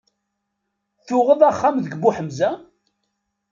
Tuɣeḍ axxam deg Buḥemza?